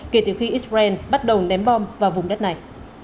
kể từ khi israel bắt đầu ném bom vào vùng đất này